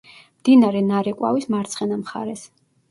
მდინარე ნარეკვავის მარცხენა მხარეს.